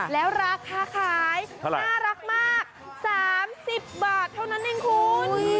แล้วราคาขายน่ารักมาก๓๐บาทเท่านั้นเองคุณ